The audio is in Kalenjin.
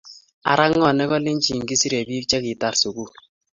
ara ngo nekalenjin kiserei pik chekitar sukul?